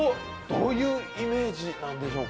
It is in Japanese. どういうイメージなんでしょうか？